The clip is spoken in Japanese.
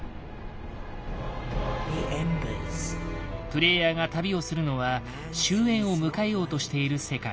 プレイヤーが旅をするのは終焉を迎えようとしている世界。